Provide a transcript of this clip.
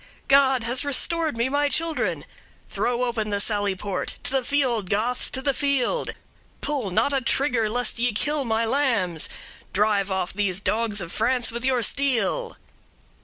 God has restored me my children! Throw open the sally port; to the field, 60ths, to the field! pull not a trigger, lest ye kill my lambs! Drive off these dogs of France with your steel!'"